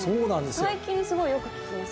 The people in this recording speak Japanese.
最近すごいよく聞きます。